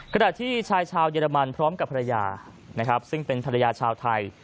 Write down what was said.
ขณะที่ชายชาวเยอรมันพร้อมกับภรรยานะครับซึ่งเป็นภรรยาชาวไทย